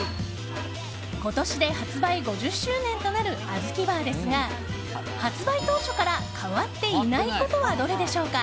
今年で発売５０周年となるあずきバーですが発売当初から変わっていないことはどれでしょうか？